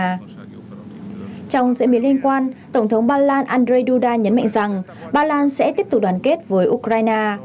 trong diễn biến liên quan tổng thống bà lan andrei duda nhấn mạnh rằng bà lan sẽ tiếp tục đoàn kết với ukraine